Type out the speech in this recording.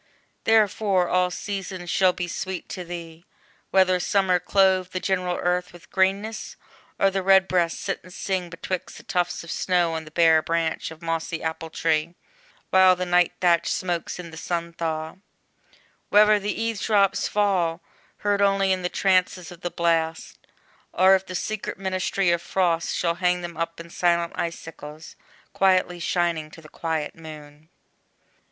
Therefore all seasons shall be sweet to thee, Whether summer clothe the general earth With greeness, or the redbreast sit and sing Betwixt the tufts of snow on the bare branch Of mossy apple tree, while the nigh thatch Smokes in the sun thaw; whether the eave drops fall Heard only in the trances of the blast, Or if the secret ministry of frost Shall hang them up in silent icicles, Quietly shining to the quiet Moon.